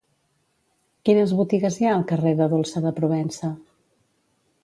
Quines botigues hi ha al carrer de Dolça de Provença?